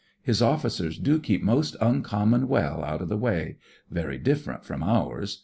His officers do keep most uncommon weU out of the way; very different from ours.